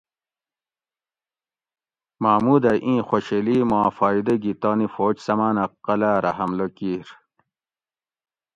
محمود ھہ ایں خوشحیلی ما فائدہ گی تانی فوج سمانہ قلعہ رہ حملہ کیر